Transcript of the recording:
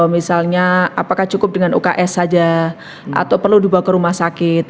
misalnya apakah cukup dengan uks saja atau perlu dibawa ke rumah sakit